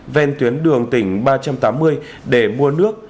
ven tuyến đường tỉnh ba trăm tám mươi để mua nước